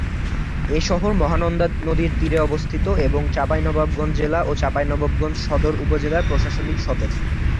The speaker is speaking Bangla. এ শহর মহানন্দা নদীর তীরে অবস্থিত এবং চাঁপাইনবাবগঞ্জ জেলা ও চাঁপাইনবাবগঞ্জ সদর উপজেলার প্রশাসনিক সদর।